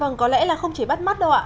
vâng có lẽ là không chỉ bắt mắt đâu ạ